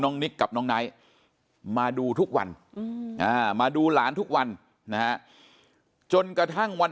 นิกกับน้องไนท์มาดูทุกวันมาดูหลานทุกวันนะฮะจนกระทั่งวัน